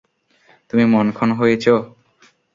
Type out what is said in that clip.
তুমি মনঃক্ষণ হয়েছ?